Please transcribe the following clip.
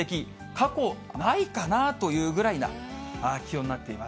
過去ないかなというぐらいな気温になっています。